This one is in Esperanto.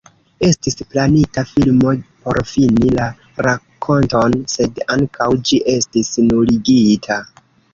Estis planita filmo por fini la rakonton, sed ankaŭ ĝi estis nuligita.